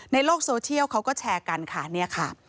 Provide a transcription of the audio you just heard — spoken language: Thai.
ในโลกโสเชียลเขาก็แชร์กันค่ะ